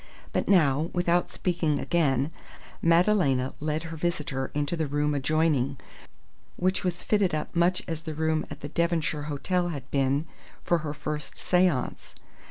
But now, without speaking again, Madalena led her visitor into the room adjoining, which was fitted up much as the room at the Devonshire hotel had been for her first séance.